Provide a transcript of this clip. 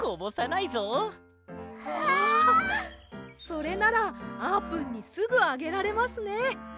それならあーぷんにすぐあげられますね。